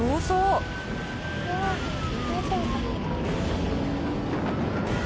大丈夫かな？